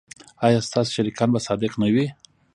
ایا ستاسو شریکان به صادق نه وي؟